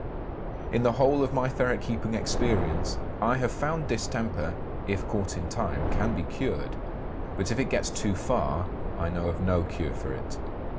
In the whole of my ferret keeping experience I have found distemper, if caught in time, can be cured; but if it gets too far I know of no cure for it.